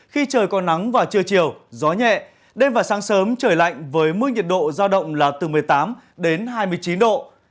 khi trời có nắng vào trưa chiều gió nhẹ đêm và sáng sớm trời lạnh với mức nhiệt độ giao động là từ một mươi tám đến hai mươi chín độ